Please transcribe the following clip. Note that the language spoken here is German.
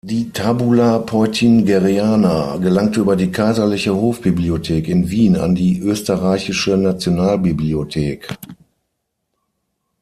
Die "Tabula Peutingeriana" gelangte über die Kaiserliche Hofbibliothek in Wien an die Österreichische Nationalbibliothek.